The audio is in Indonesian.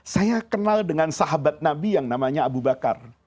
saya kenal dengan sahabat nabi yang namanya abu bakar